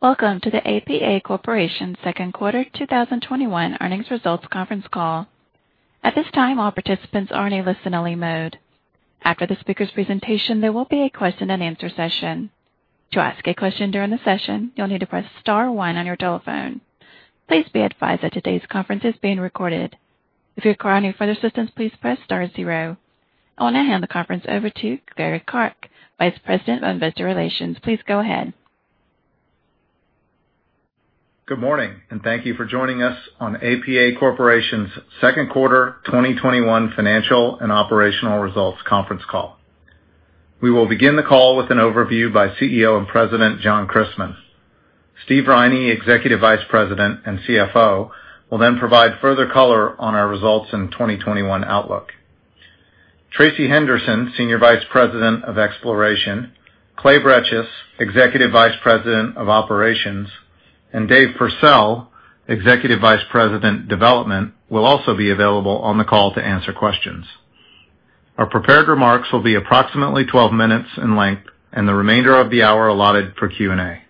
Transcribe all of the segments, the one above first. Welcome to the APA Corporation Second Quarter 2021 Earnings Results Conference Call. At this time, all participants are in a listen-only mode. After the speaker's presentation, there will be a question and answer session. To ask a question during the session, you'll need to press star one on your telephone. Please be advised that today's conference is being recorded. If you require any further assistance, please press star zero. I will now hand the conference over to Gary Clark, Vice President of Investor Relations. Please go ahead. Good morning. Thank you for joining us on APA Corporation's second quarter 2021 financial and operational results conference call. We will begin the call with an overview by Chief Executive Officer and President, John Christmann. Stephen Riney, Executive Vice President and Chief Financial Officer, will then provide further color on our results and 2021 outlook. Tracey Henderson, Senior Vice President of Exploration, Clay Bretches, Executive Vice President of Operations, and Dave Purcell, Executive Vice President, Development, will also be available on the call to answer questions. Our prepared remarks will be approximately 12 minutes in length and the remainder of the hour allotted for Q&A.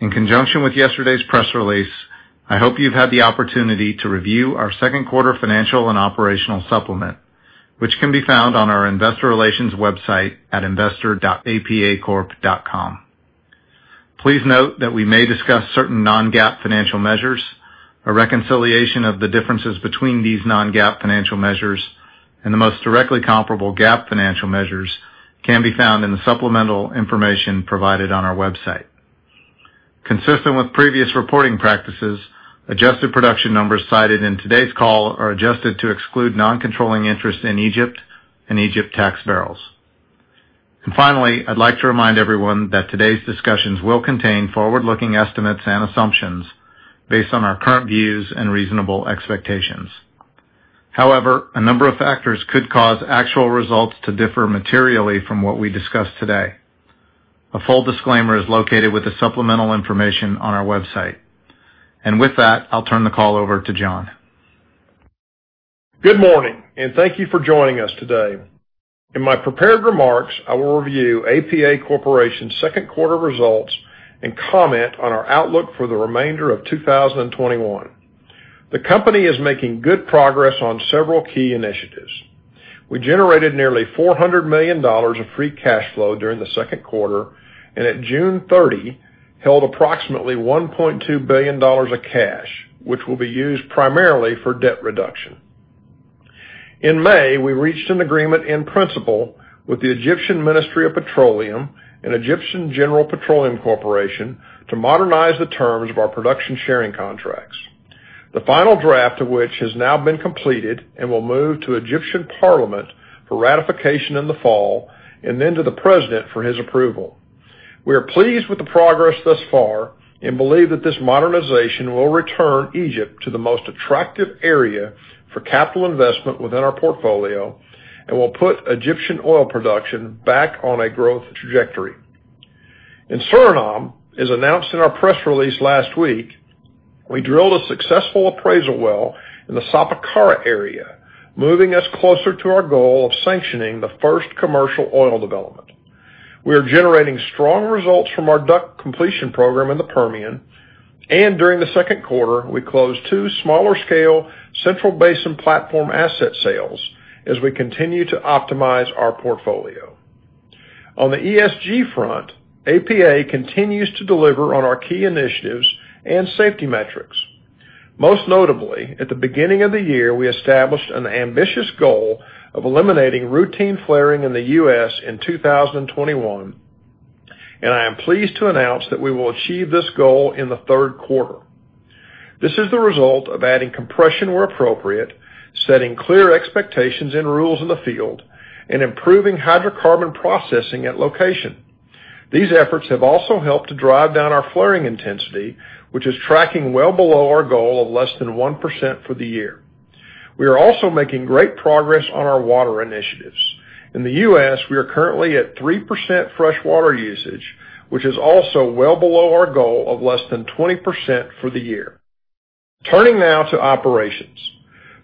In conjunction with yesterday's press release, I hope you've had the opportunity to review our second quarter financial and operational supplement, which can be found on our investor relations website at investor.apacorp.com. Please note that we may discuss certain non-GAAP financial measures. A reconciliation of the differences between these non-GAAP financial measures and the most directly comparable GAAP financial measures can be found in the supplemental information provided on our website. Consistent with previous reporting practices, adjusted production numbers cited in today's call are adjusted to exclude non-controlling interests in Egypt and Egypt tax barrels. Finally, I'd like to remind everyone that today's discussions will contain forward-looking estimates and assumptions based on our current views and reasonable expectations. However, a number of factors could cause actual results to differ materially from what we discuss today. A full disclaimer is located with the supplemental information on our website. With that, I'll turn the call over to John. Good morning, thank you for joining us today. In my prepared remarks, I will review APA Corporation's second quarter results and comment on our outlook for the remainder of 2021. The company is making good progress on several key initiatives. We generated nearly $400 million of free cash flow during the second quarter, and at June 30, held approximately $1.2 billion of cash, which will be used primarily for debt reduction. In May, we reached an agreement in principle with the Egyptian Ministry of Petroleum and Egyptian General Petroleum Corporation to modernize the terms of our production sharing contracts. The final draft of which has now been completed and will move to Egyptian Parliament for ratification in the fall, and then to the president for his approval. We are pleased with the progress thus far and believe that this modernization will return Egypt to the most attractive area for capital investment within our portfolio and will put Egyptian oil production back on a growth trajectory. In Suriname, as announced in our press release last week, we drilled a successful appraisal well in the Sapakara area, moving us closer to our goal of sanctioning the first commercial oil development. We are generating strong results from our DUC completion program in the Permian, and during the second quarter, we closed two smaller-scale Central Basin Platform asset sales as we continue to optimize our portfolio. On the ESG front, APA continues to deliver on our key initiatives and safety metrics. Most notably, at the beginning of the year, we established an ambitious goal of eliminating routine flaring in the U.S. in 2021, and I am pleased to announce that we will achieve this goal in the third quarter. This is the result of adding compression where appropriate, setting clear expectations and rules in the field, and improving hydrocarbon processing at location. These efforts have also helped to drive down our flaring intensity, which is tracking well below our goal of less than 1% for the year. We are also making great progress on our water initiatives. In the U.S., we are currently at 3% fresh water usage, which is also well below our goal of less than 20% for the year. Turning now to operations.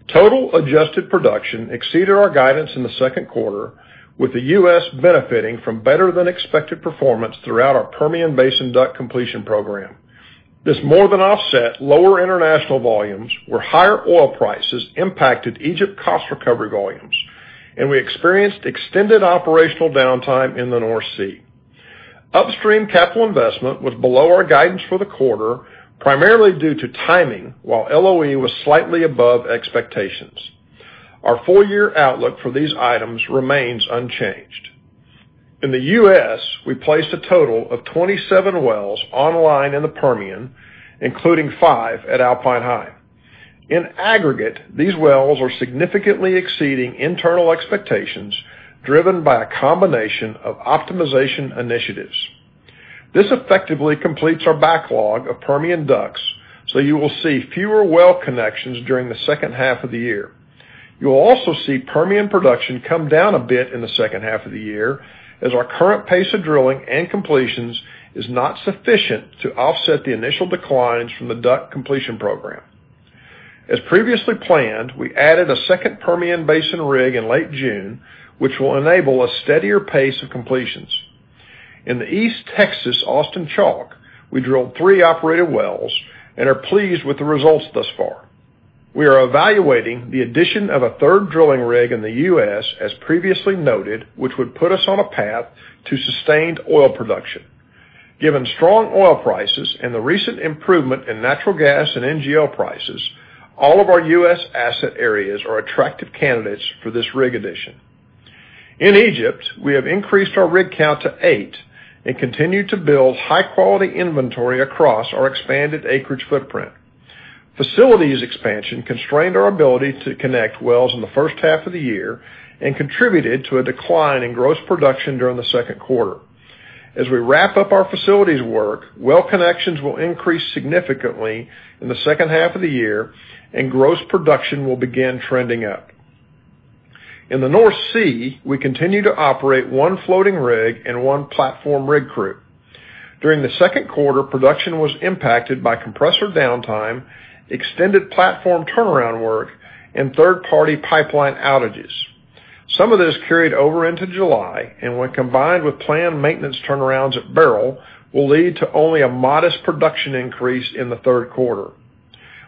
Total adjusted production exceeded our guidance in the second quarter, with the U.S. benefiting from better-than-expected performance throughout our Permian Basin DUC completion program. This more than offset lower international volumes, where higher oil prices impacted Egypt cost recovery volumes, and we experienced extended operational downtime in the North Sea. Upstream capital investment was below our guidance for the quarter, primarily due to timing, while LOE was slightly above expectations. Our full-year outlook for these items remains unchanged. In the U.S., we placed a total of 27 wells online in the Permian, including five at Alpine High. In aggregate, these wells are significantly exceeding internal expectations, driven by a combination of optimization initiatives. This effectively completes our backlog of Permian DUCs, so you will see fewer well connections during the second half of the year. You will also see Permian production come down a bit in the second half of the year, as our current pace of drilling and completions is not sufficient to offset the initial declines from the DUC completion program. As previously planned, we added a second Permian Basin rig in late June, which will enable a steadier pace of completions. In the East Texas Austin Chalk, we drilled three operated wells and are pleased with the results thus far. We are evaluating the addition of a third drilling rig in the U.S. as previously noted, which would put us on a path to sustained oil production. Given strong oil prices and the recent improvement in natural gas and NGL prices, all of our U.S. asset areas are attractive candidates for this rig addition. In Egypt, we have increased our rig count to eight and continue to build high-quality inventory across our expanded acreage footprint. Facilities expansion constrained our ability to connect wells in the first half of the year and contributed to a decline in gross production during the second quarter. As we wrap up our facilities work, well connections will increase significantly in the second half of the year, and gross production will begin trending up. In the North Sea, we continue to operate one floating rig and one platform rig crew. During the second quarter, production was impacted by compressor downtime, extended platform turnaround work, and third-party pipeline outages. Some of this carried over into July, and when combined with planned maintenance turnarounds at Beryl, will lead to only a modest production increase in the third quarter.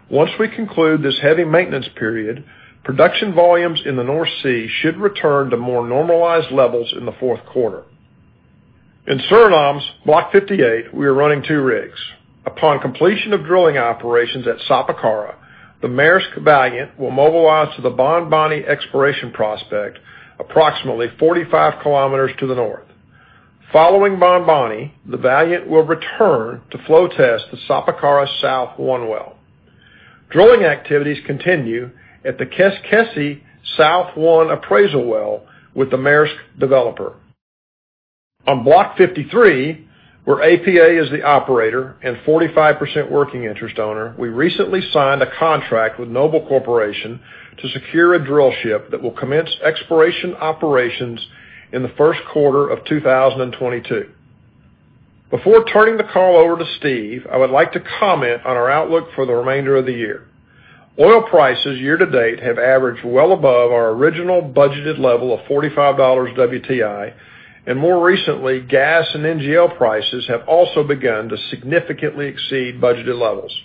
Once we conclude this heavy maintenance period, production volumes in the North Sea should return to more normalized levels in the fourth quarter. In Suriname's Block 58, we are running two rigs. Upon completion of drilling operations at Sapakara, the Maersk Valiant will mobilize to the Bonboni exploration prospect approximately 45 km to the north. Following Bonboni, the Valiant will return to flow test the Sapakara South-1 well. Drilling activities continue at the Keskesi South-1 appraisal well with the Maersk Developer. On Block 53, where APA is the operator and 45% working interest owner, we recently signed a contract with Noble Corporation to secure a drill ship that will commence exploration operations in the first quarter of 2022. Before turning the call over to Steve, I would like to comment on our outlook for the remainder of the year. Oil prices year-to-date have averaged well above our original budgeted level of $45 WTI, and more recently, gas and NGL prices have also begun to significantly exceed budgeted levels.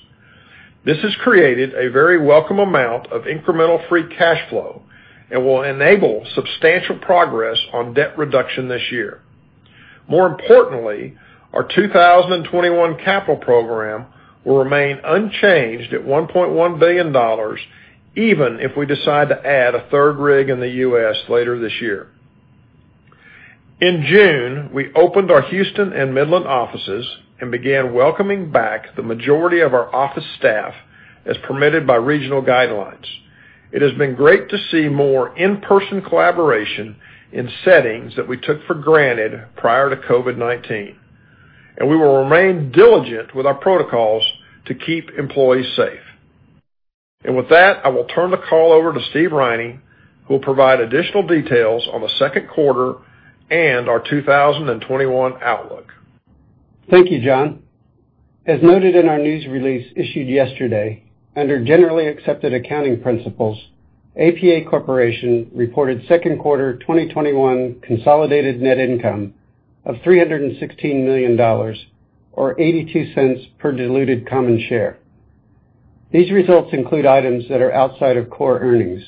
This has created a very welcome amount of incremental free cash flow and will enable substantial progress on debt reduction this year. More importantly, our 2021 capital program will remain unchanged at $1.1 billion, even if we decide to add a third rig in the U.S. later this year. In June, we opened our Houston and Midland offices and began welcoming back the majority of our office staff as permitted by regional guidelines. It has been great to see more in-person collaboration in settings that we took for granted prior to COVID-19, and we will remain diligent with our protocols to keep employees safe. With that, I will turn the call over to Steve Riney, who will provide additional details on the second quarter and our 2021 outlook. Thank you, John. As noted in our news release issued yesterday, under generally accepted accounting principles, APA Corporation reported second quarter 2021 consolidated net income of $316 million or $0.82 per diluted common share. These results include items that are outside of core earnings.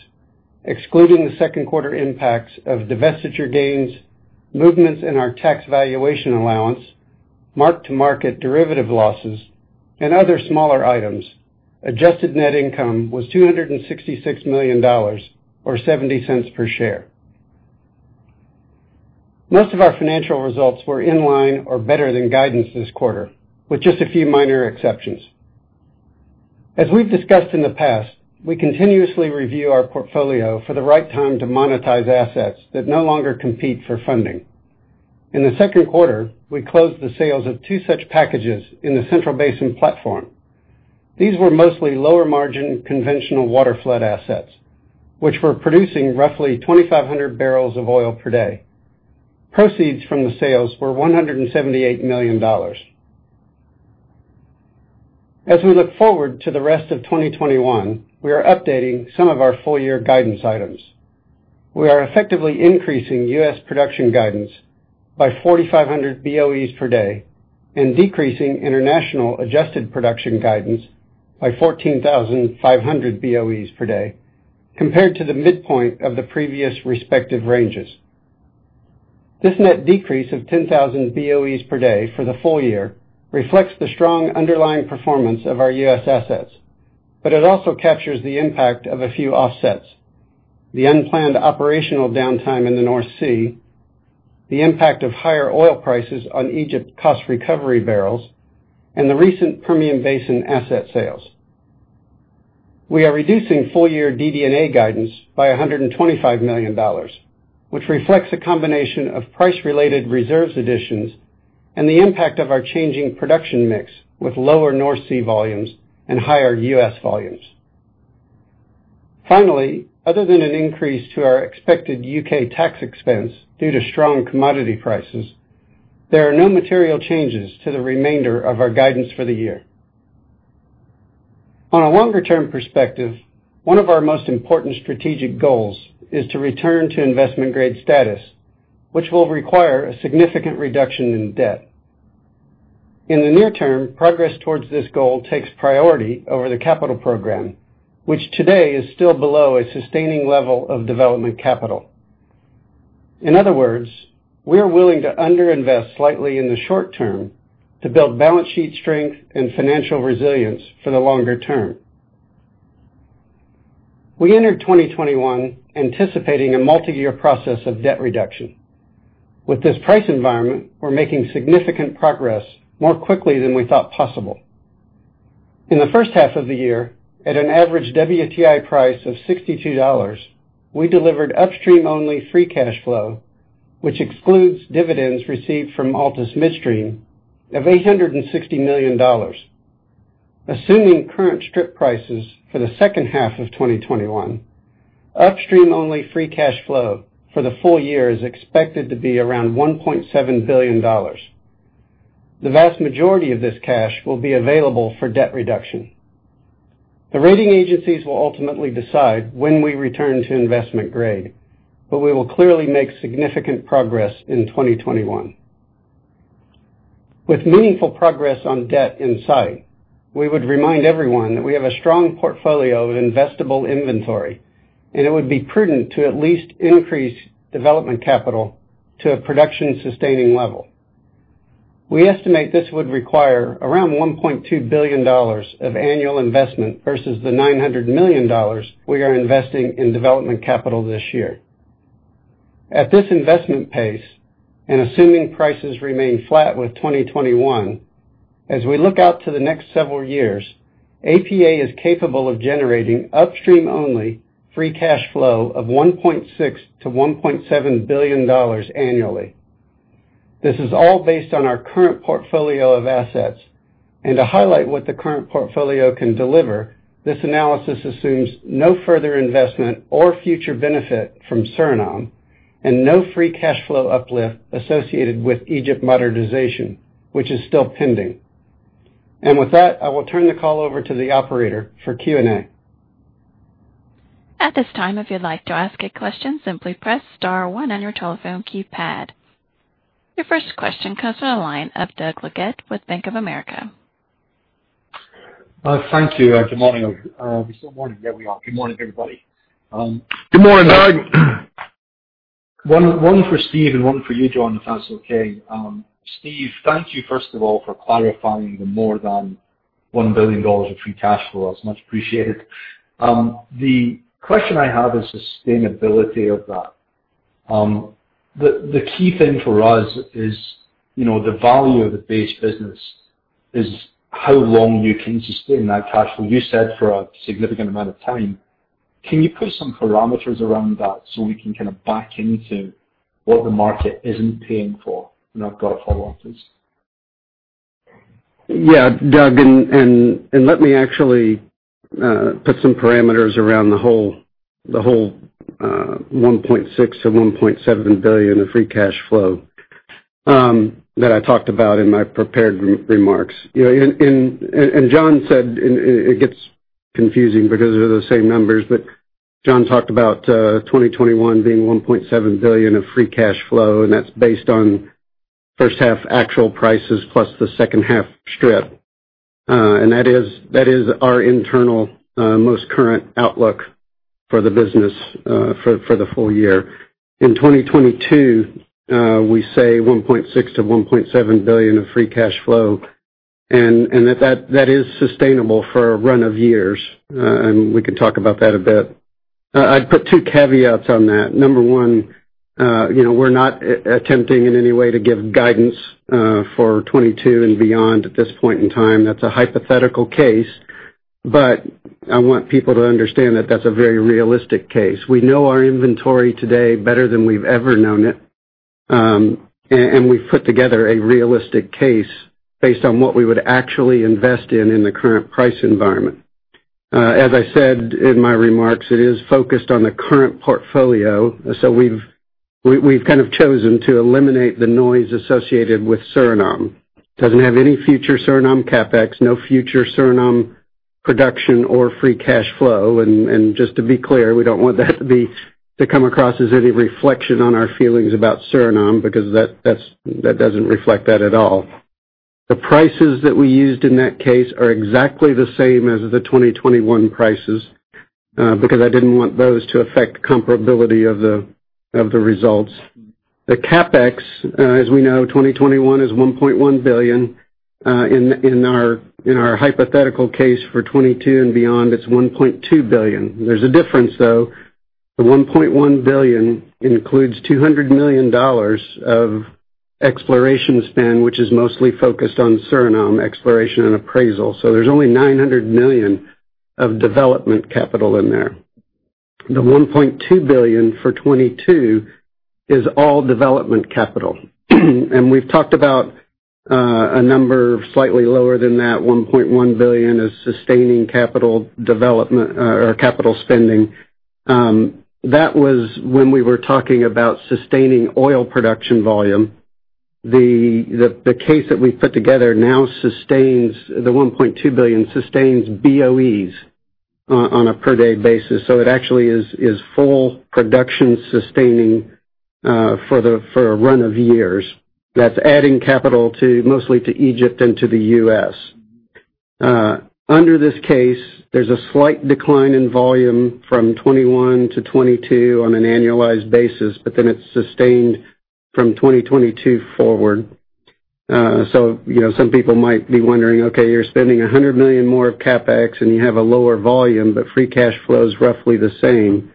Excluding the second quarter impacts of divestiture gains, movements in our tax valuation allowance, mark-to-market derivative losses, and other smaller items, adjusted net income was $266 million or $0.70 per share. Most of our financial results were in line or better than guidance this quarter, with just a few minor exceptions. As we've discussed in the past, we continuously review our portfolio for the right time to monetize assets that no longer compete for funding. In the second quarter, we closed the sales of two such packages in the Central Basin Platform. These were mostly lower-margin conventional waterflood assets, which were producing roughly 2,500 barrels of oil per day. Proceeds from the sales were $178 million. As we look forward to the rest of 2021, we are updating some of our full-year guidance items. We are effectively increasing U.S. production guidance by 4,500 BOEs per day and decreasing international adjusted production guidance by 14,500 BOEs per day compared to the midpoint of the previous respective ranges. This net decrease of 10,000 BOEs per day for the full year reflects the strong underlying performance of our U.S. assets, but it also captures the impact of a few offsets. The unplanned operational downtime in the North Sea, the impact of higher oil prices on Egypt cost recovery barrels, and the recent Permian Basin asset sales. We are reducing full-year DD&A guidance by $125 million, which reflects a combination of price-related reserves additions and the impact of our changing production mix with lower North Sea volumes and higher U.S. volumes. Finally, other than an increase to our expected U.K. tax expense due to strong commodity prices, there are no material changes to the remainder of our guidance for the year. On a longer-term perspective, one of our most important strategic goals is to return to investment-grade status, which will require a significant reduction in debt. In the near term, progress towards this goal takes priority over the capital program, which today is still below a sustaining level of development capital. In other words, we are willing to under-invest slightly in the short term to build balance sheet strength and financial resilience for the longer term. We entered 2021 anticipating a multi-year process of debt reduction. With this price environment, we're making significant progress more quickly than we thought possible. In the first half of the year, at an average WTI price of $62, we delivered upstream-only free cash flow, which excludes dividends received from Altus Midstream of $860 million. Assuming current strip prices for the second half of 2021, upstream-only free cash flow for the full year is expected to be around $1.7 billion. The vast majority of this cash will be available for debt reduction. The rating agencies will ultimately decide when we return to investment grade, but we will clearly make significant progress in 2021. With meaningful progress on debt in sight, we would remind everyone that we have a strong portfolio of investable inventory, and it would be prudent to at least increase development capital to a production-sustaining level. We estimate this would require around $1.2 billion of annual investment versus the $900 million we are investing in development capital this year. At this investment pace, and assuming prices remain flat with 2021, as we look out to the next several years, APA is capable of generating upstream-only free cash flow of $1.6 billion-$1.7 billion annually. This is all based on our current portfolio of assets. To highlight what the current portfolio can deliver, this analysis assumes no further investment or future benefit from Suriname and no free cash flow uplift associated with Egypt modernization, which is still pending. With that, I will turn the call over to the operator for Q&A. Your first question comes on the line of Doug Leggate with Bank of America. Thank you. Good morning. Are we still morning? Yeah, we are. Good morning, everybody. Good morning, Doug. One for Steve and one for you, John, if that's okay. Steve, thank you, first of all, for clarifying the more than $1 billion of free cash flow. That's much appreciated. The question I have is sustainability of that. The key thing for us is the value of the base business is how long you can sustain that cash flow. You said for a significant amount of time. Can you put some parameters around that so we can kind of back into what the market isn't paying for? I've got follow-ups. Yeah, Doug, let me actually put some parameters around the whole $1.6 billion-$1.7 billion of free cash flow that I talked about in my prepared remarks. John said, it gets confusing because they're the same numbers, John talked about 2021 being $1.7 billion of free cash flow, that's based on first half actual prices plus the second half strip. That is our internal, most current outlook for the business, for the full year. In 2022, we say $1.6 billion-$1.7 billion of free cash flow, that is sustainable for a run of years. We can talk about that a bit. I'd put two caveats on that. Number one, we're not attempting in any way to give guidance for 2022 and beyond at this point in time. That's a hypothetical case, but I want people to understand that that's a very realistic case. We know our inventory today better than we've ever known it. We've put together a realistic case based on what we would actually invest in the current price environment. As I said in my remarks, it is focused on the current portfolio. We've kind of chosen to eliminate the noise associated with Suriname. Doesn't have any future Suriname CapEx, no future Suriname production or free cash flow. Just to be clear, we don't want that to come across as any reflection on our feelings about Suriname, because that doesn't reflect that at all. The prices that we used in that case are exactly the same as the 2021 prices. I didn't want those to affect comparability of the results. The CapEx, as we know, 2021 is $1.1 billion. In our hypothetical case for 2022 and beyond, it's $1.2 billion. There's a difference, though. The $1.1 billion includes $200 million of exploration spend, which is mostly focused on Suriname exploration and appraisal. There's only $900 million of development capital in there. The $1.2 billion for 2022 is all development capital. A number slightly lower than that $1.1 billion is sustaining capital development or capital spending. That was when we were talking about sustaining oil production volume. The case that we've put together now, the $1.2 billion sustains BOEs on a per day basis. It actually is full production sustaining for a run of years. That's adding capital mostly to Egypt and to the U.S. Under this case, there's a slight decline in volume from 2021 to 2022 on an annualized basis, it's sustained from 2022 forward. Some people might be wondering, okay, you're spending $100 million more of CapEx and you have a lower volume, but free cash flow is roughly the same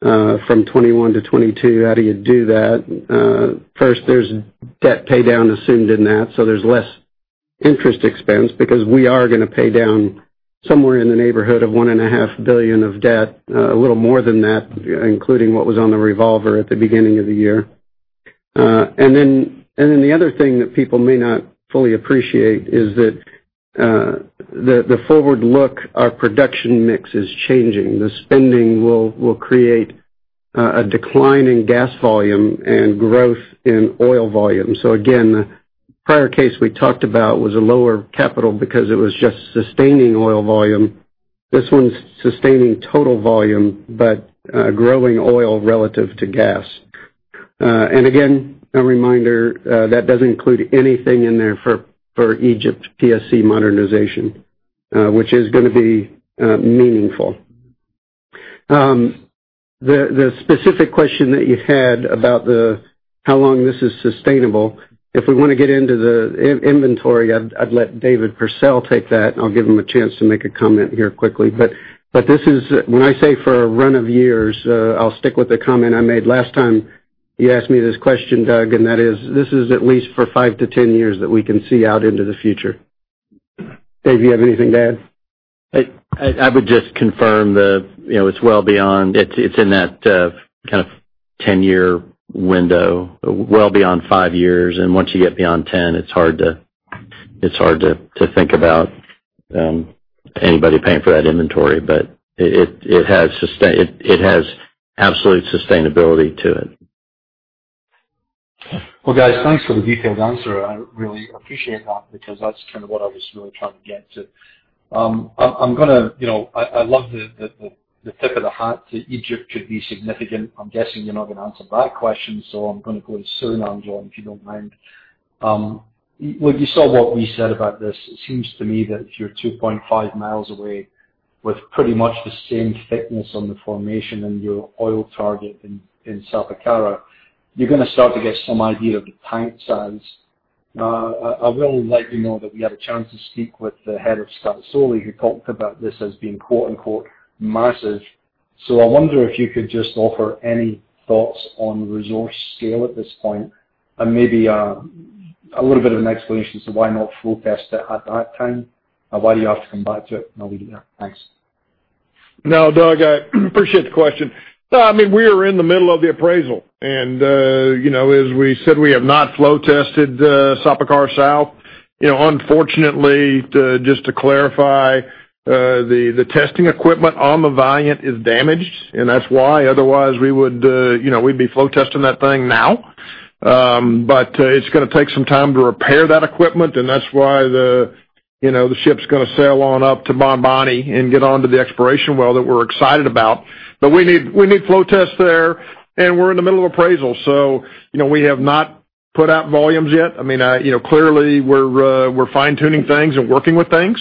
from 2021 to 2022. How do you do that? First, there's debt paydown assumed in that, so there's less interest expense because we are going to pay down somewhere in the neighborhood of $1.5 billion of debt, a little more than that, including what was on the revolver at the beginning of the year. The other thing that people may not fully appreciate is that the forward look, our production mix is changing. The spending will create a decline in gas volume and growth in oil volume. Again, prior case we talked about was a lower capital because it was just sustaining oil volume. This one's sustaining total volume, but growing oil relative to gas. Again, a reminder, that doesn't include anything in there for Egypt PSC modernization, which is going to be meaningful. The specific question that you had about how long this is sustainable, if we want to get into the inventory, I'd let David Purcell take that, and I'll give him a chance to make a comment here quickly. When I say for a run of years, I'll stick with the comment I made last time you asked me this question, Doug, and that is, this is at least for 5-10 years that we can see out into the future. Dave, you have anything to add? I would just confirm that it's in that kind of 10-year window, well beyond five years, and once you get beyond 10, it's hard to think about anybody paying for that inventory. It has absolute sustainability to it. Well, guys, thanks for the detailed answer. I really appreciate that because that's kind of what I was really trying to get to. I love the tip of the hat to Egypt could be significant. I'm guessing you're not going to answer that question, I'm going to go to Stephen and John, if you don't mind. Well, you saw what we said about this. It seems to me that if you're 2.5 mi away with pretty much the same thickness on the formation and your oil target in Sapakara, you're going to start to get some idea of the tank size. I will let you know that we had a chance to speak with the head of Staatsolie, who talked about this as being "massive." I wonder if you could just offer any thoughts on resource scale at this point, and maybe a little bit of an explanation as to why not flow test it at that time, and why do you have to come back to it? I'll leave it there. Thanks. No, Doug, I appreciate the question. As we said, we have not flow tested Sapakara South. Unfortunately, just to clarify, the testing equipment on the Maersk Valiant is damaged, and that's why. Otherwise, we'd be flow testing that thing now. It's going to take some time to repair that equipment, and that's why the ship's going to sail on up to Bonboni and get onto the exploration well that we're excited about. We need flow tests there, and we're in the middle of appraisal. We have not put out volumes yet. Clearly, we're fine-tuning things and working with things.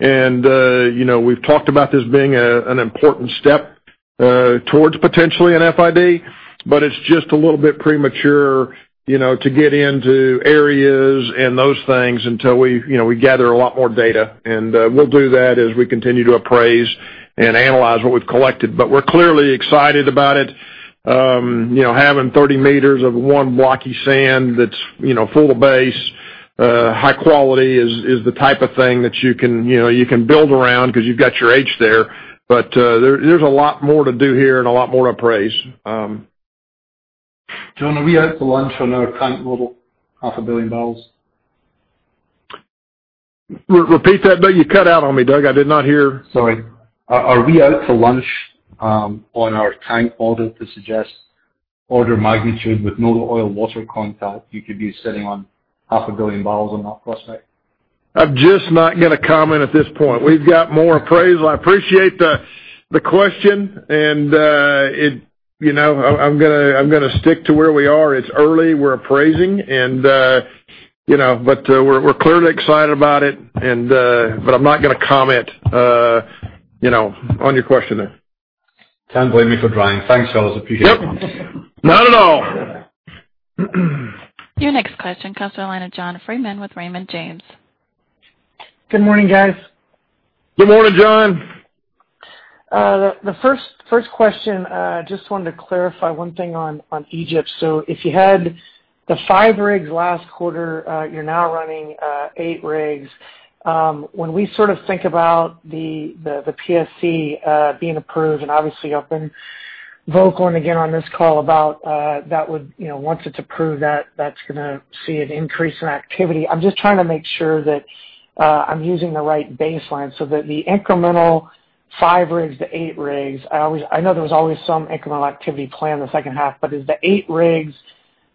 We've talked about this being an important step towards potentially an FID, but it's just a little bit premature to get into areas and those things until we gather a lot more data. We'll do that as we continue to appraise and analyze what we've collected. We're clearly excited about it. Having 30m of one blocky sand that's full of base, high quality is the type of thing that you can build around because you've got your H there. There's a lot more to do here and a lot more to appraise. John, are we out to lunch on our tank model, 0.5 billion barrels? Repeat that, Doug. You cut out on me, Doug. I did not hear. Sorry. Are we out to lunch on our tank model to suggest order magnitude with no oil water contact, you could be sitting on half a billion barrels on that prospect? I'm just not going to comment at this point. We've got more appraisal. I appreciate the question, and I'm going to stick to where we are. It's early, we're appraising, but we're clearly excited about it. I'm not going to comment on your question there. Can't blame me for trying. Thanks, fellas. Appreciate it. Yep. Not at all. Your next question comes from the line of John Freeman with Raymond James. Good morning, guys. Good morning, John. The first question, just wanted to clarify 1 thing on Egypt. If you had the five rigs last quarter, you're now running eight rigs. When we sort of think about the PSC being approved, and obviously you've been vocal and again on this call about once it's approved, that's going to see an increase in activity. I'm just trying to make sure that I'm using the right baseline so that the incremental five rigs to eight rigs. I know there was always some incremental activity planned the second half, but is the eight rigs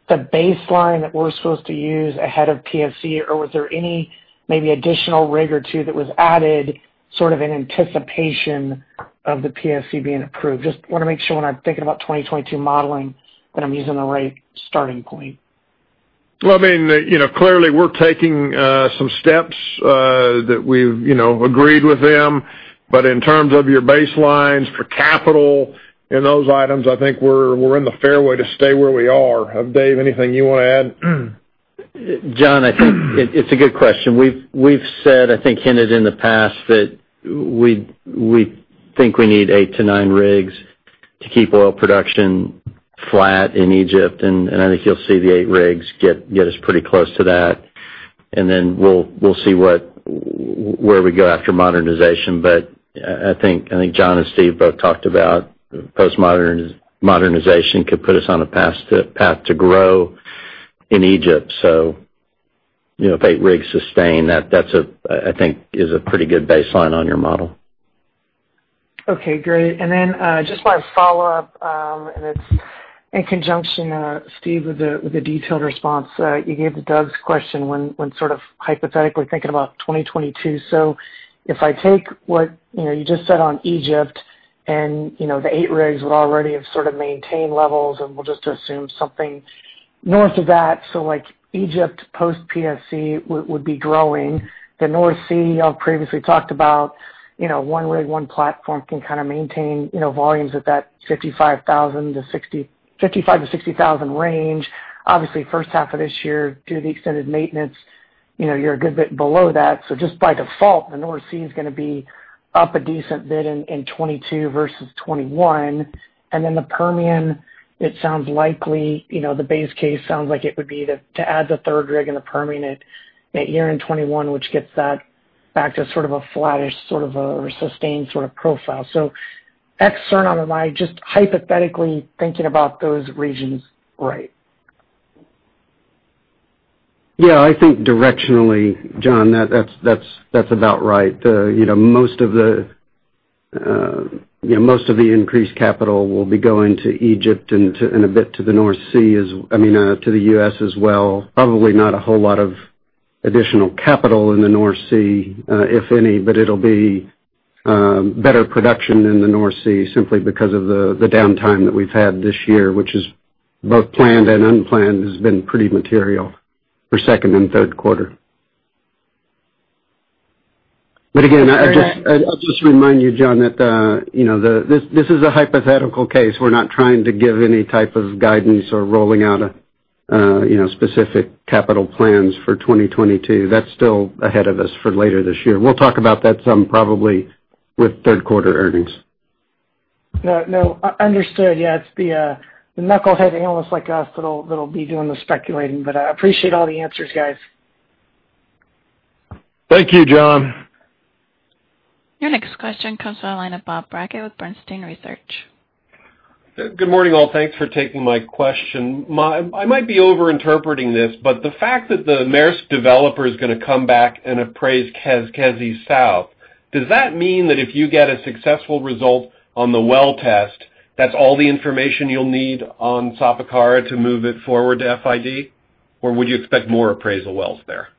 the baseline that we're supposed to use ahead of PSC, or was there any maybe additional rig or two that was added sort of in anticipation of the PSC being approved? Just want to make sure when I'm thinking about 2022 modeling that I'm using the right starting point. Well, clearly we're taking some steps that we've agreed with them. In terms of your baselines for capital and those items, I think we're in the fairway to stay where we are. Dave, anything you want to add? John, I think it's a good question. We've said, I think, hinted in the past that we think we need eight to nine rigs to keep oil production flat in Egypt. I think you'll see the eight rigs get us pretty close to that. Then we'll see where we go after modernization. I think John and Steve both talked about post-modernization could put us on a path to grow in Egypt. Eight rigs sustained, that I think is a pretty good baseline on your model. Okay, great. Just want to follow up, and it's in conjunction, Steve, with the detailed response that you gave to Doug's question when sort of hypothetically thinking about 2022. If I take what you just said on Egypt and the eight rigs would already have sort of maintained levels, and we'll just assume something north of that. Like Egypt post PSC would be growing. The North Sea you have previously talked about one rig, one platform can kind of maintain volumes at that 55,000-60,000 range. Obviously, first half of this year, due to the extended maintenance, you're a good bit below that. Just by default, the North Sea is going to be up a decent bit in 2022 versus 2021. The Permian, the base case sounds like it would be to add the third rig in the Permian that year in 2021, which gets that back to sort of a flattish or sustained sort of profile. Extern on am I just hypothetically thinking about those regions right? Yeah, I think directionally, John, that's about right. Most of the increased capital will be going to Egypt and a bit to the U.S. as well. Probably not a whole lot of additional capital in the North Sea, if any, but it'll be better production in the North Sea simply because of the downtime that we've had this year, which is both planned and unplanned, has been pretty material for second and third quarter. Again, I'll just remind you, John, that this is a hypothetical case. We're not trying to give any type of guidance or rolling out specific capital plans for 2022. That's still ahead of us for later this year. We'll talk about that some probably with third quarter earnings. No, understood. Yeah, it's the knucklehead analysts like us that'll be doing the speculating, but I appreciate all the answers, guys. Thank you, John. Your next question comes to the line of Bob Brackett with Bernstein Research. Good morning, all. Thanks for taking my question. I might be over-interpreting this, but the fact that the Maersk Developer is going to come back and appraise Keskesi South, does that mean that if you get a successful result on the well test, that's all the information you'll need on Sapakara to move it forward to FID? Would you expect more appraisal wells there?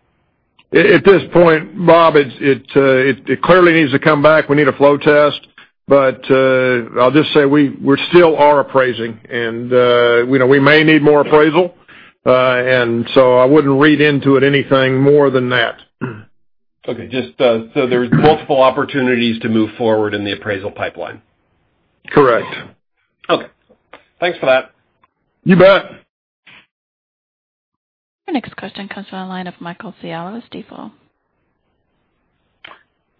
At this point, Bob, it clearly needs to come back. We need a flow test. I'll just say we still are appraising, and we may need more appraisal. I wouldn't read into it anything more than that. Okay. There's multiple opportunities to move forward in the appraisal pipeline. Correct. Okay. Thanks for that. You bet. Your next question comes to the line of Michael Scialla with Stifel.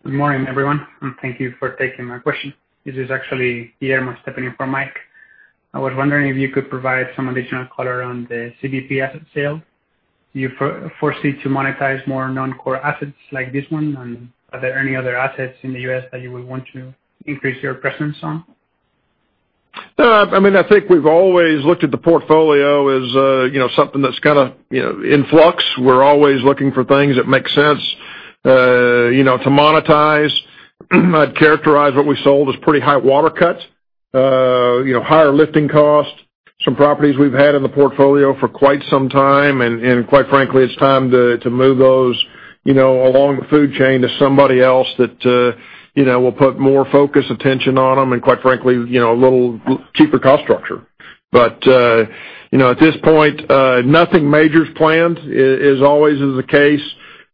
Good morning, everyone, and thank you for taking my question. This is actually Guillermo stepping in for Mike. I was wondering if you could provide some additional color on the CBP asset sale. Do you foresee to monetize more non-core assets like this one, and are there any other assets in the U.S. that you would want to increase your presence on? I think we've always looked at the portfolio as something that's kind of in flux. We're always looking for things that make sense to monetize. I'd characterize what we sold as pretty high water cuts. Higher lifting costs, some properties we've had in the portfolio for quite some time, and quite frankly, it's time to move those along the food chain to somebody else that will put more focus, attention on them, and quite frankly, a little cheaper cost structure. At this point, nothing major is planned. As always is the case,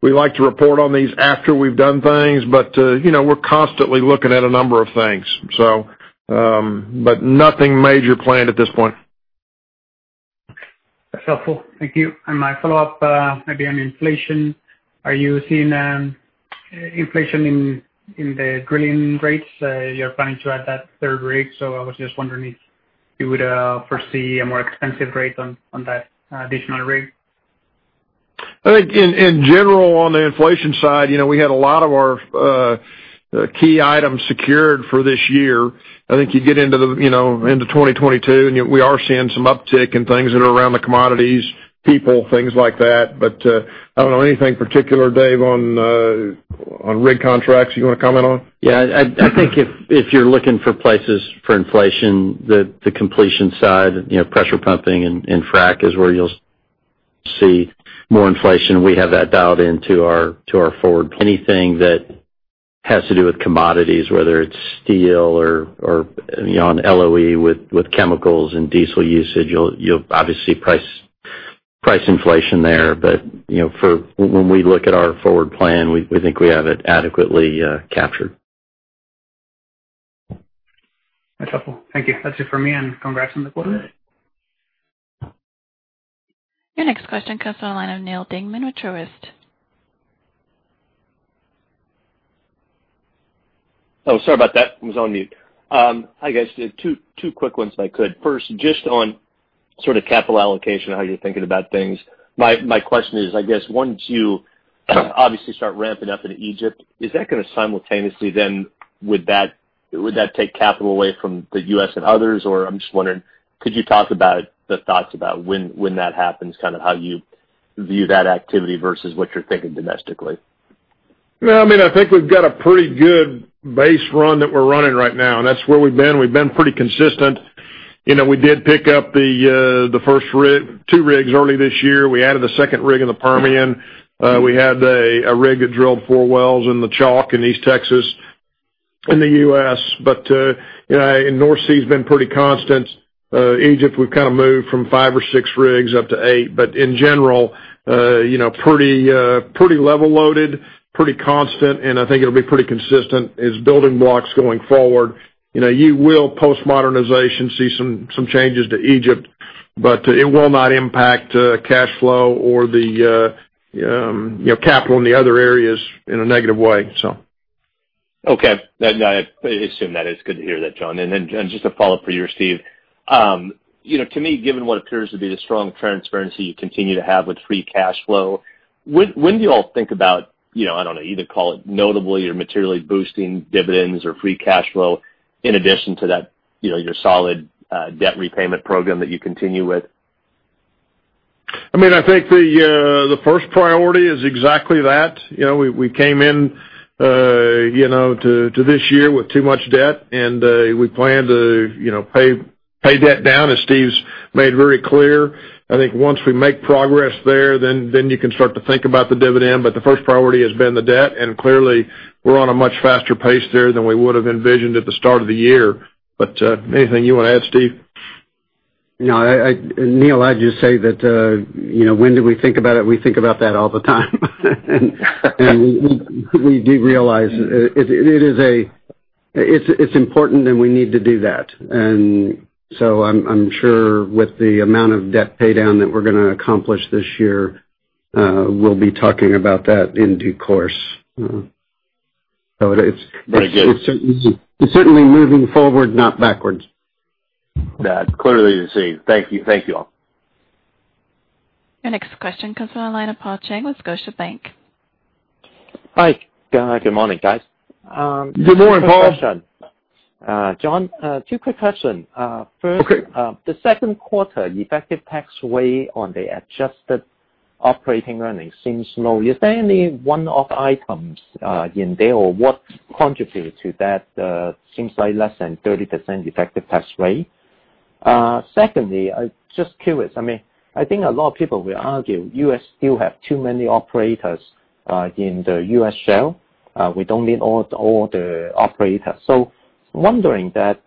we like to report on these after we've done things, but we're constantly looking at a number of things. Nothing major planned at this point. That's helpful. Thank you. My follow-up, maybe on inflation. Are you seeing inflation in the drilling rates? You're planning to add that third rig. I was just wondering if you would foresee a more expensive rate on that additional rig? I think in general, on the inflation side, we had a lot of our key items secured for this year. I think you get into 2022, yet we are seeing some uptick in things that are around the commodities, people, things like that. I don't know anything particular, Dave, on rig contracts you want to comment on? Yeah. I think if you're looking for places for inflation, the completion side, pressure pumping and frack is where you'll see more inflation. We have that dialed into our forward. Anything that has to do with commodities, whether it's steel or on LOE with chemicals and diesel usage, you'll obviously price inflation there. When we look at our forward plan, we think we have it adequately captured. That's helpful. Thank you. That's it for me. Congrats on the quarter. Your next question comes on the line of Neal Dingmann with Truist. Oh, sorry about that. Was on mute. Hi, guys. Two quick ones if I could. First, just on sort of capital allocation, how you're thinking about things. My question is, I guess once you obviously start ramping up into Egypt, is that going to simultaneously then, would that take capital away from the U.S. and others? I'm just wondering, could you talk about the thoughts about when that happens, kind of how you view that activity versus what you're thinking domestically? I think we've got a pretty good base run that we're running right now, and that's where we've been. We've been pretty consistent. We did pick up the first two rigs early this year. We added a second rig in the Permian. We had a rig that drilled four wells in the Chalk in East Texas, in the U.S. North Sea's been pretty constant. Egypt, we've kind of moved from five or six rigs up to eight. In general, pretty level loaded, pretty constant, and I think it'll be pretty consistent as building blocks going forward. You will, post-modernization, see some changes to Egypt, but it will not impact cash flow or the capital in the other areas in a negative way. Okay. No, I assume that. It's good to hear that, John. Just a follow-up for you, Steve. To me, given what appears to be the strong transparency you continue to have with free cash flow, when do you all think about, I don't know, either call it notably or materially boosting dividends or free cash flow in addition to that your solid debt repayment program that you continue with? I think the first priority is exactly that. We came in to this year with too much debt, and we plan to pay debt down, as Steve's made very clear. I think once we make progress there, then you can start to think about the dividend. The first priority has been the debt, and clearly we're on a much faster pace there than we would've envisioned at the start of the year. Anything you want to add, Steve? No. Neal, I'd just say that, when do we think about it? We think about that all the time. We do realize it's important, and we need to do that. I'm sure with the amount of debt paydown that we're going to accomplish this year, we'll be talking about that in due course. Very good. It's certainly moving forward, not backwards. That's clearly received. Thank you all. Your next question comes on the line of Paul Cheng with Scotiabank. Hi. Good morning, guys. Good morning, Paul. John, two quick questions. Okay. First, the second quarter effective tax rate on the adjusted operating earnings seems low. Is there any one-off items in there, or what contributed to that seems like less than 30% effective tax rate? Secondly, I'm just curious, I think a lot of people will argue U.S. still have too many operators, in the U.S. shale. We don't need all the operators. Wondering that,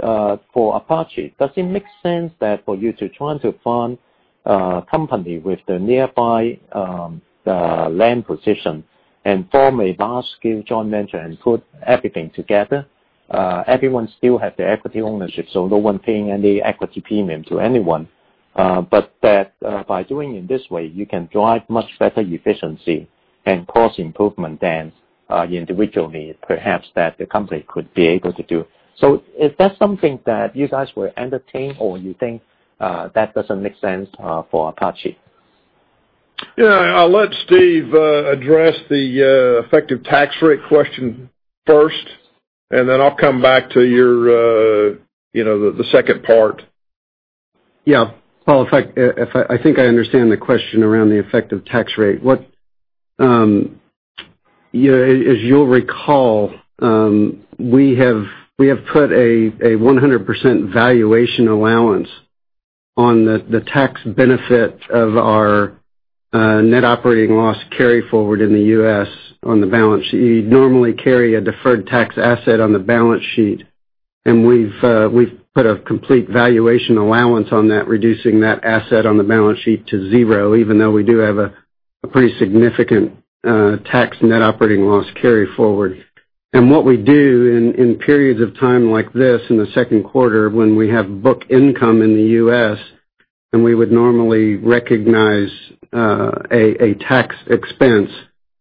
for Apache, does it make sense that for you to try to find a company with the nearby land position and form a basket, John mentioned, and put everything together? Everyone still have the equity ownership, no one paying any equity premium to anyone. That by doing it this way, you can drive much better efficiency and cost improvement than individually perhaps that the company could be able to do. Is that something that you guys will entertain or you think that doesn't make sense for APA Corporation? Yeah. I'll let Steve address the effective tax rate question first, and then I'll come back to the second part. Paul, I think I understand the question around the effective tax rate. As you'll recall, we have put a 100% valuation allowance on the tax benefit of our net operating loss carry-forward in the U.S. on the balance sheet. You'd normally carry a deferred tax asset on the balance sheet, and we've put a complete valuation allowance on that, reducing that asset on the balance sheet to zero, even though we do have a pretty significant tax net operating loss carry-forward. What we do in periods of time like this, in the second quarter, when we have book income in the U.S., and we would normally recognize a tax expense.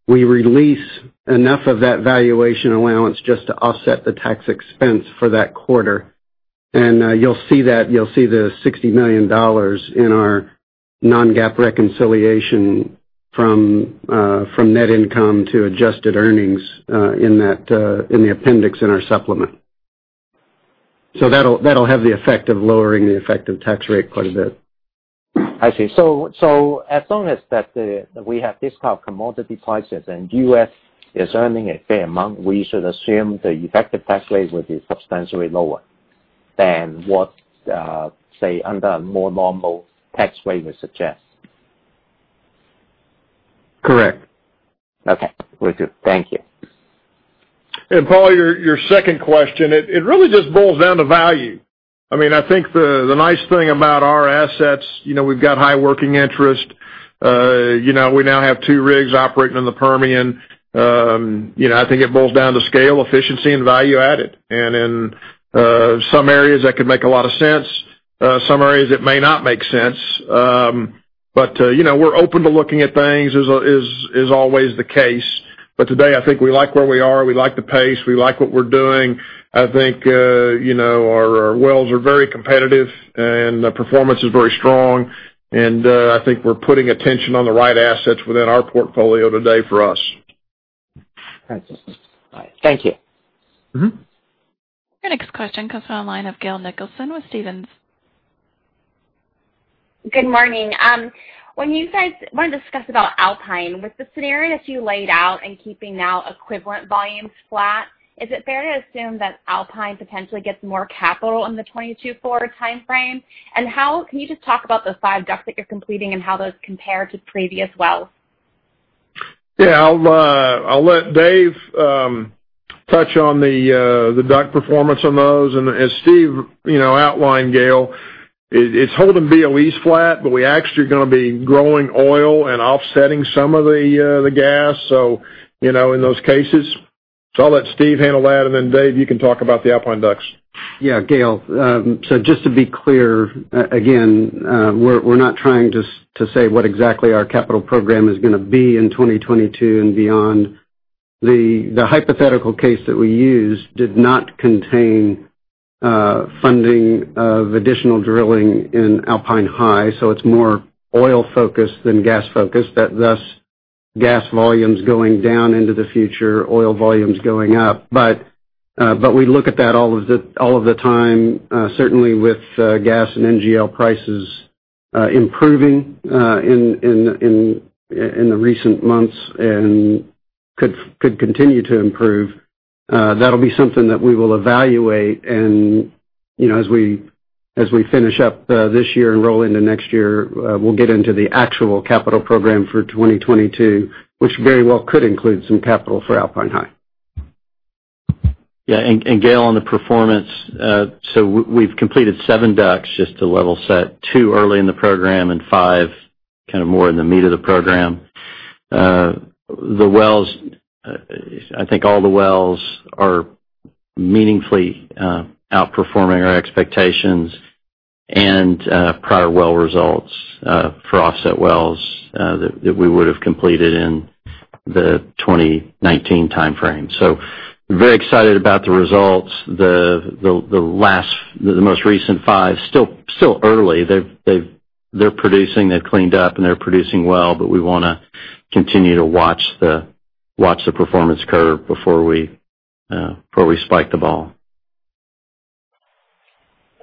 We release enough of that valuation allowance just to offset the tax expense for that quarter. You'll see the $60 million in our non-GAAP reconciliation from net income to adjusted earnings in the appendix in our supplement. That'll have the effect of lowering the effective tax rate quite a bit. I see. As long as we have discount commodity prices, and U.S. is earning a fair amount, we should assume the effective tax rate will be substantially lower than what, say, under a more normal tax rate would suggest. Correct. Okay. Good. Thank you. Paul, your second question, it really just boils down to value. I think the nice thing about our assets, we've got high working interest. We now have two rigs operating in the Permian. I think it boils down to scale, efficiency, and value added. In some areas, that could make a lot of sense. Some areas, it may not make sense. We're open to looking at things as always the case. Today, I think we like where we are. We like the pace. We like what we're doing. I think our wells are very competitive, and the performance is very strong. I think we're putting attention on the right assets within our portfolio today for us. Got you. Thank you. Your next question comes from the line of Gail Nicholson with Stephens. Good morning. want to discuss about Alpine. With the scenarios you laid out and keeping now equivalent volumes flat, is it fair to assume that Alpine potentially gets more capital in the 2024 timeframe? Can you just talk about the five DUCs that you're completing and how those compare to previous wells? Yeah. I'll let David touch on the DUC performance on those. As Stephen outlined, Gail, it's holding BOEs flat, but we actually are going to be growing oil and offsetting some of the gas in those cases. I'll let Stephen handle that, David, you can talk about the Alpine DUCs. Yeah, Gail, so just to be clear, again, we're not trying to say what exactly our capital program is going to be in 2022 and beyond. The hypothetical case that we used did not contain funding of additional drilling in Alpine High, so it's more oil-focused than gas-focused, thus gas volumes going down into the future, oil volumes going up. We look at that all of the time. Certainly, with gas and NGL prices improving in the recent months and could continue to improve, that'll be something that we will evaluate. As we finish up this year and roll into next year, we'll get into the actual capital program for 2022, which very well could include some capital for Alpine High. Yeah. Gail, on the performance, we've completed seven DUCs, just to level set, two early in the program and five more in the meat of the program. I think all the wells are meaningfully outperforming our expectations and prior well results for offset wells that we would've completed in the 2019 timeframe. We're very excited about the results. The most recent five, still early. They're producing. They've cleaned up, and they're producing well, but we want to continue to watch the performance curve before we spike the ball.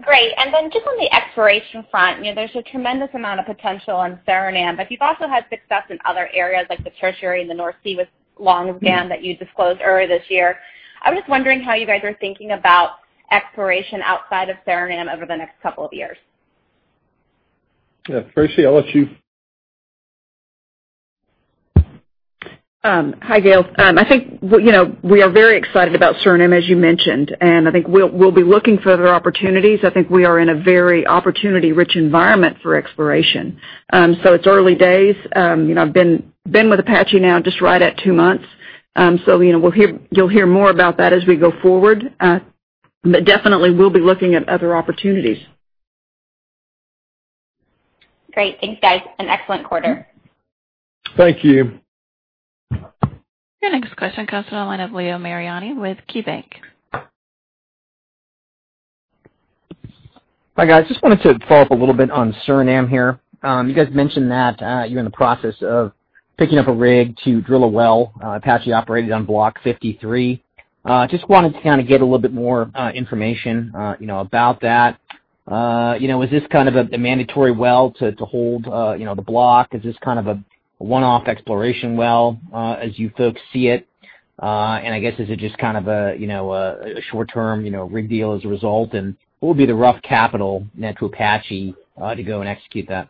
Great. Just on the exploration front, there's a tremendous amount of potential in Suriname, but you've also had success in other areas like the Tertiary in the North Sea with Garten that you disclosed earlier this year. I'm just wondering how you guys are thinking about exploration outside of Suriname over the next couple of years. Yeah. Tracey, I'll let you. Hi, Gail. I think we are very excited about Suriname, as you mentioned, and I think we'll be looking for other opportunities. I think we are in a very opportunity-rich environment for exploration. It's early days. I've been with Apache now just right at two months. You'll hear more about that as we go forward. Definitely, we'll be looking at other opportunities. Great. Thanks, guys. An excellent quarter. Thank you. Your next question comes from the line of Leo Mariani with KeyBanc. Hi, guys. Just wanted to follow up a little bit on Suriname here. You guys mentioned that you're in the process of picking up a rig to drill a well, Apache operated on Block 53. Just wanted to get a little bit more information about that. Is this a mandatory well to hold the block? Is this a one-off exploration well as you folks see it? I guess is it just a short-term rig deal as a result? What would be the rough capital net to Apache to go and execute that?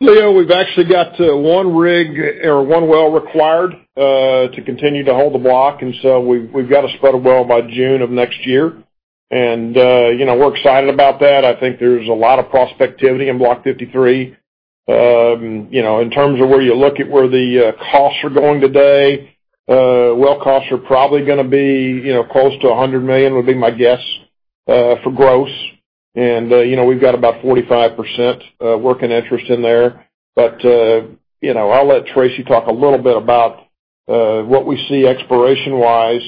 Leo, we've actually got one well required to continue to hold the block, and so we've got to spud a well by June of next year. We're excited about that. I think there's a lot of prospectivity in Block 53. In terms of where you look at where the costs are going today, well costs are probably going to be close to $100 million, would be my guess. For gross. We've got about 45% working interest in there. I'll let Tracey talk a little bit about what we see exploration-wise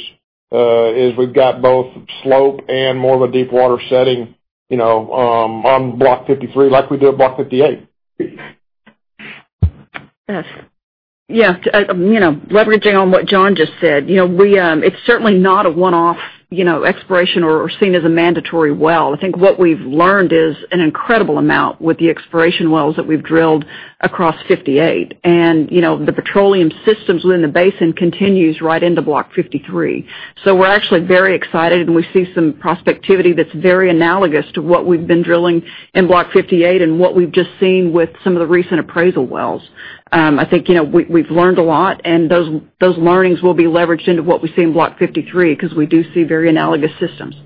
is we've got both slope and more of a deepwater setting on Block 53 like we do at Block 58. Yes. Leveraging on what John just said, it's certainly not a one-off exploration or seen as a mandatory well. I think what we've learned is an incredible amount with the exploration wells that we've drilled across 58. The petroleum systems within the basin continues right into Block 53. We're actually very excited, and we see some prospectivity that's very analogous to what we've been drilling in Block 58 and what we've just seen with some of the recent appraisal wells. I think we've learned a lot, and those learnings will be leveraged into what we see in Block 53 because we do see very analogous systems.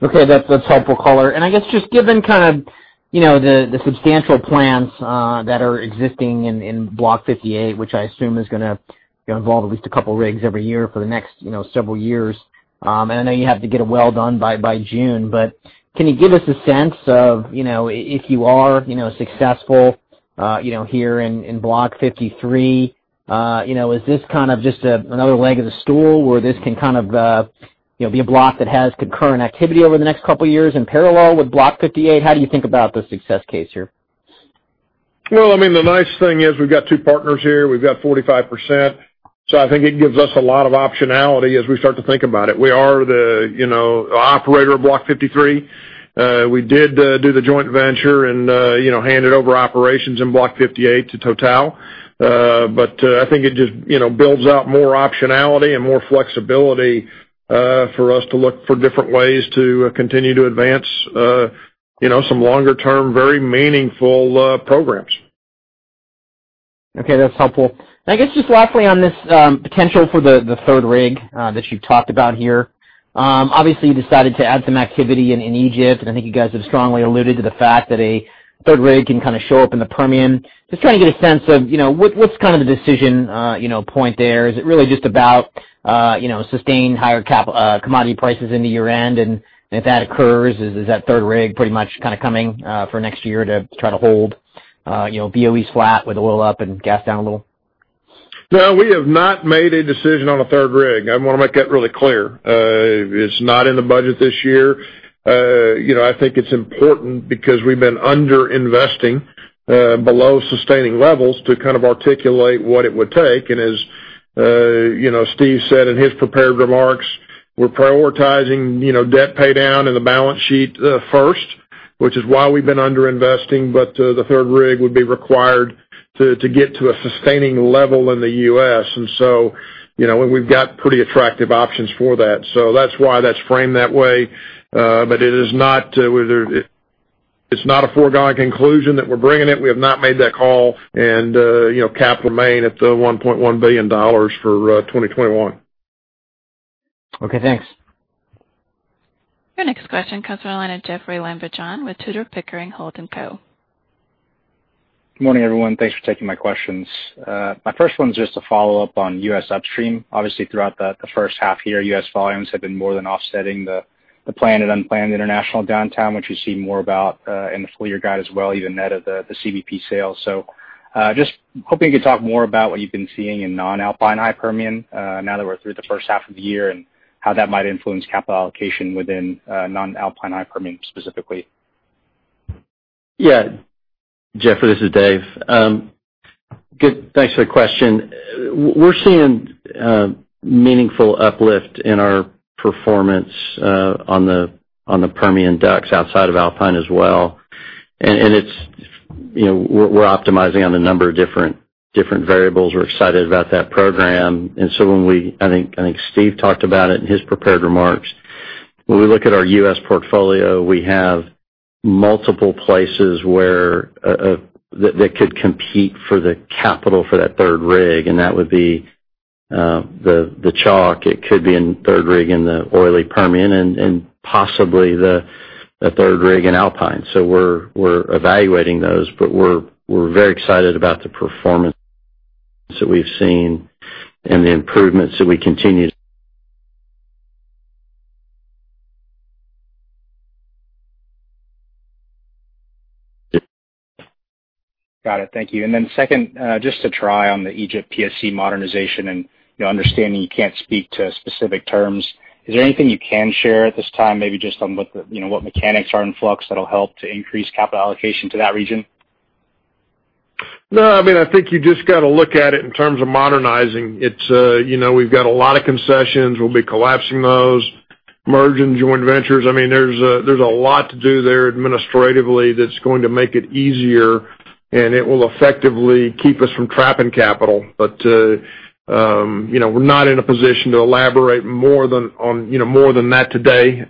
Okay. That's helpful, color. I guess just given the substantial plans that are existing in Block 58, which I assume is going to involve at least a couple of rigs every year for the next several years. I know you have to get a well done by June, but can you give us a sense of, if you are successful here in Block 53, is this just another leg of the stool where this can be a block that has concurrent activity over the next couple of years in parallel with Block 58? How do you think about the success case here? The nice thing is we've got two partners here. We've got 45%, so I think it gives us a lot of optionality as we start to think about it. We are the operator of Block 53. We did do the joint venture and handed over operations in Block 58 to Total. I think it just builds out more optionality and more flexibility for us to look for different ways to continue to advance some longer-term, very meaningful programs. Okay, that's helpful. I guess just lastly on this potential for the third rig that you've talked about here. Obviously, you decided to add some activity in Egypt, and I think you guys have strongly alluded to the fact that a third rig can show up in the Permian. Just trying to get a sense of what's the decision point there? Is it really just about sustained higher commodity prices into year-end? If that occurs, is that third rig pretty much coming for next year to try to hold BOEs flat with oil up and gas down a little? No, we have not made a decision on a third rig. I want to make that really clear. It's not in the budget this year. I think it's important because we've been under-investing below sustaining levels to articulate what it would take. As Steve said in his prepared remarks, we're prioritizing debt paydown and the balance sheet first, which is why we've been under-investing, but the third rig would be required to get to a sustaining level in the U.S. We've got pretty attractive options for that. That's why that's framed that way. It's not a foregone conclusion that we're bringing it. We have not made that call, and capital remain at the $1.1 billion for 2021. Okay, thanks. Your next question comes on the line of Jeoffrey Lambujon with Tudor, Pickering, Holt & Co. Good morning, everyone. Thanks for taking my questions. My first one is just a follow-up on U.S. upstream. Obviously, throughout the first half of the year, U.S. volumes have been more than offsetting the planned and unplanned international downtime, which we see more about in the full-year guide as well, even net of the CBP sales. Just hoping you could talk more about what you've been seeing in non-Alpine high Permian now that we're through the first half of the year and how that might influence capital allocation within non-Alpine high Permian specifically. Yeah. Jeff, this is Dave. Good. Thanks for the question. We're seeing meaningful uplift in our performance on the Permian DUCs outside of Alpine as well. We're optimizing on a number of different variables. We're excited about that program. I think Stephen talked about it in his prepared remarks. When we look at our U.S. portfolio, we have multiple places that could compete for the capital for that third rig, and that would be the Chalk. It could be a third rig in the oily Permian and possibly the third rig in Alpine. We're evaluating those, but we're very excited about the performance that we've seen and the improvements that we continue. Got it. Thank you. Second, just to try on the Egypt PSC modernization and understanding you can't speak to specific terms, is there anything you can share at this time, maybe just on what mechanics are in flux that'll help to increase capital allocation to that region? No, I think you just got to look at it in terms of modernizing. We've got a lot of concessions. We'll be collapsing those, merge and joint ventures. There's a lot to do there administratively that's going to make it easier. It will effectively keep us from trapping capital. We're not in a position to elaborate more than that today.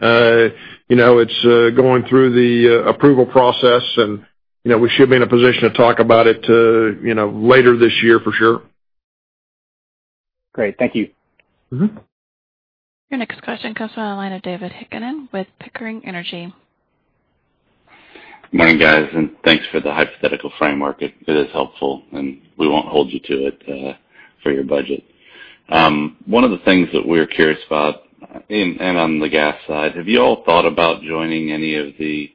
It's going through the approval process. We should be in a position to talk about it later this year for sure. Great. Thank you. Your next question comes from the line of David Heikkinen with Pickering Energy. Morning, guys. Thanks for the hypothetical framework. It is helpful, and we won't hold you to it for your budget. One of the things that we're curious about, and on the gas side, have you all thought about joining any of the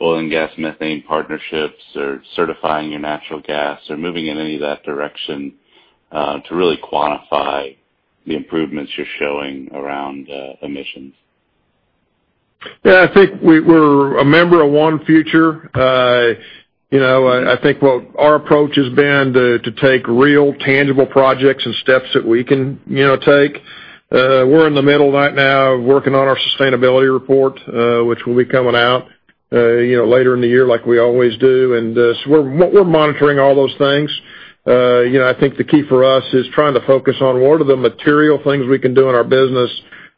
oil and gas methane partnerships or certifying your natural gas or moving in any of that direction to really quantify the improvements you're showing around emissions? Yeah, I think we're a member of ONE Future. I think what our approach has been to take real tangible projects and steps that we can take. We're in the middle right now of working on our sustainability report, which will be coming out later in the year like we always do. We're monitoring all those things. I think the key for us is trying to focus on what are the material things we can do in our business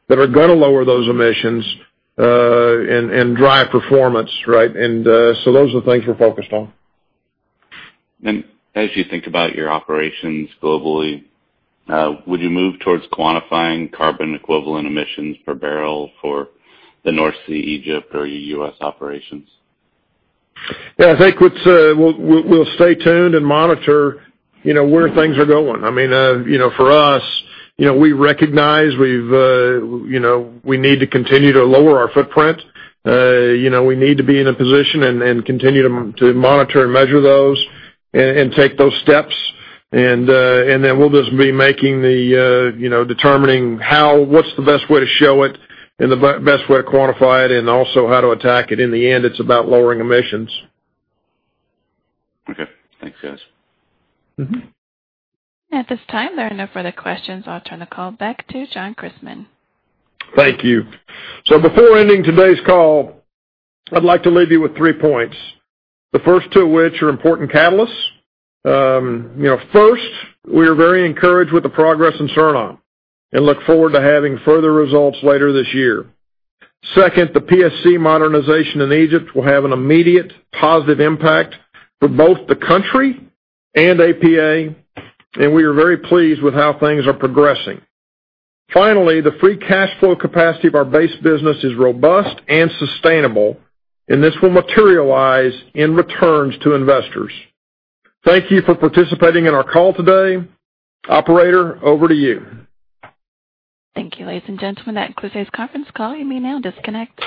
that are going to lower those emissions and drive performance, right? Those are the things we're focused on. As you think about your operations globally, would you move towards quantifying carbon equivalent emissions per barrel for the North Sea, Egypt, or your U.S. operations? Yeah, I think we'll stay tuned and monitor where things are going. For us, we recognize we need to continue to lower our footprint. We need to be in a position and continue to monitor and measure those and take those steps. We'll just be determining what's the best way to show it and the best way to quantify it and also how to attack it. In the end, it's about lowering emissions. Okay. Thanks, guys. At this time, there are no further questions. I'll turn the call back to John Christmann. Thank you. Before ending today's call, I'd like to leave you with three points, the first 2 of which are important catalysts. First, we are very encouraged with the progress in Suriname and look forward to having further results later this year. Second, the PSC modernization in Egypt will have an immediate positive impact for both the country and APA. We are very pleased with how things are progressing. Finally, the free cash flow capacity of our base business is robust and sustainable. This will materialize in returns to investors. Thank you for participating in our call today. Operator, over to you. Thank you, ladies and gentlemen. That concludes this conference call. You may now disconnect.